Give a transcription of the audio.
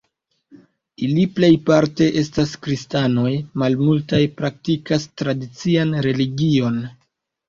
Ili plejparte estas kristanoj, malmultaj praktikas tradician religion.